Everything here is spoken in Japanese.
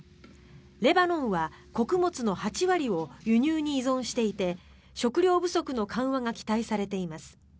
レバノンは穀物の８割を輸入に依存していて食料不足の緩和が期待されています。